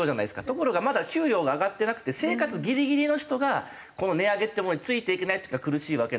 ところがまだ給料が上がってなくて生活ギリギリの人がこの値上げってものについていけない時が苦しいわけなんで。